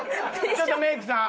ちょっとメイクさん。